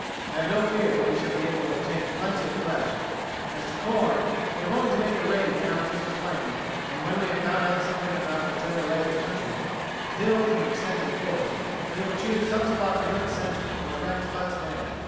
I have no fear but we shall be able to obtain plenty of flesh; as to corn, we have only to make a raid down into the plain, and when we have found out something about the general lay of the country, the hills and the extent of the forest, we will choose some spot near its centre and erect huts there.